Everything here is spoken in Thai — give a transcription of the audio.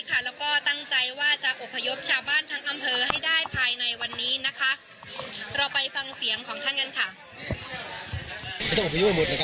และก็ตั้งใจว่าจะอพยพชาวบ้านทั้งอะมเพอให้ได้ภายในวันนี้